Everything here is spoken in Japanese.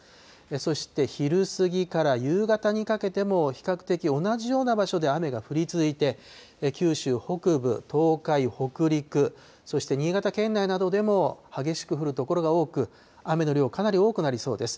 そして昼過ぎから夕方にかけても、比較的同じような場所で雨が降り続いて、九州北部、東海、北陸、そして新潟県内などでも激しく降る所が多く、雨の量、かなり多くなりそうです。